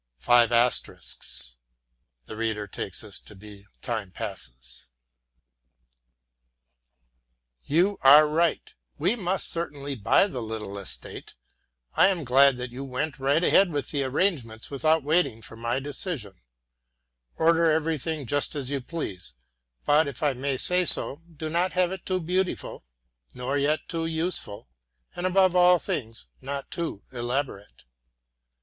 You are right; we must certainly buy the little estate. I am glad that you went right ahead with the arrangements, without waiting for my decision. Order everything just as you please; but, if I may say so, do not have it too beautiful, nor yet too useful, and, above all things, not too elaborate.